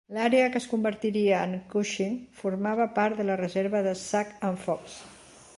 L'àrea que es convertiria en Cushing formava part de la reserva de Sac and Fox.